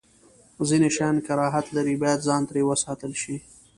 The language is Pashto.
ځینې شیان کراهت لري، باید ځان ترې وساتل شی.